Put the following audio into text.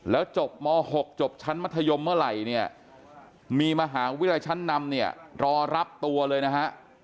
แล้วจบม๖จบชั้นมัธยมเมื่อไหร่เนี่ยมีมหาวิทยาลัยชั้นนำเนี่ยรอรับตัวเลยนะฮะ